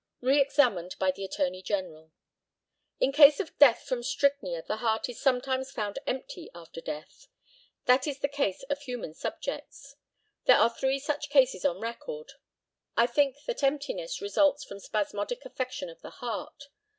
Re examined by the ATTORNEY GENERAL: In case of death from strychnia the heart is sometimes found empty after death. That is the case of human subjects. There are three such cases on record. I think that emptiness results from spasmodic affection of the heart.